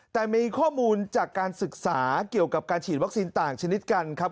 แต่มีข้อมูลจากการศึกษาเกี่ยวกับการฉีดวัคซีนต่างชนิดกันครับ